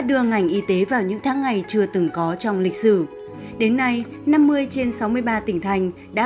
đưa ngành y tế vào những tháng ngày chưa từng có trong lịch sử đến nay năm mươi trên sáu mươi ba tỉnh thành đã